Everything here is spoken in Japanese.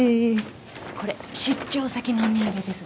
これ出張先のお土産です